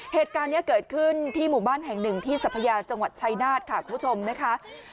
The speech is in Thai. เหตุการณ์นี้เกิดขึ้นที่หมู่บ้านแห่งหนึ่งที่สัพยาจังหวัดชายนาฏค่ะคุณผู้ชมนะคะ